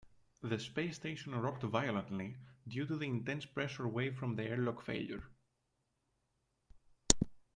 The space station rocked violently due to the intense pressure wave from the airlock failure.